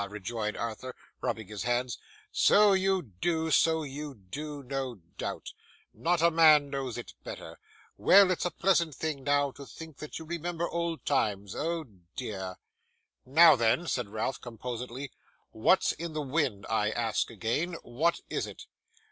rejoined Arthur, rubbing his hands. 'So you do, so you do, no doubt. Not a man knows it better. Well, it's a pleasant thing now to think that you remember old times. Oh dear!' 'Now then,' said Ralph, composedly; 'what's in the wind, I ask again? What is it?